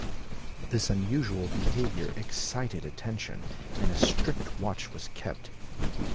This unusual behaviour excited attention, and a strict watch was kept.